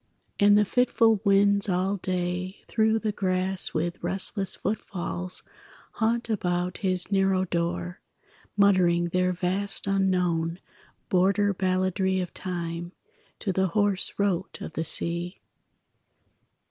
And the fitful winds all day Through the grass with restless footfalls Haunt about his narrow door, Muttering their vast unknown Border balladry of time, To the hoarse rote of the sea.